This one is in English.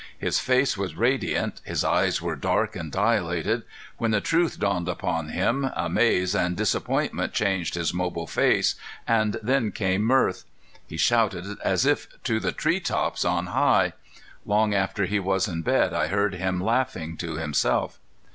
His face was radiant, his eyes were dark and dilated. When the truth dawned upon him, amaze and disappointment changed his mobile face, and then came mirth. He shouted as if to the tree tops on high. Long after he was in bed I heard him laughing to himself.